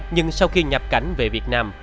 nhưng sau khi nhập cảnh về việt nam